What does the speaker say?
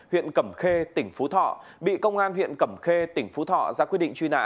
huyện cẩm khê tỉnh phú thọ bị công an huyện cẩm khê tỉnh phú thọ ra quyết định truy nã